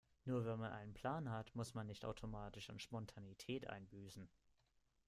Nur weil man einen Plan hat, muss man nicht automatisch an Spontanität einbüßen.